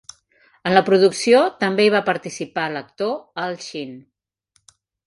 En la producció també hi va participar l'actor Al Shean.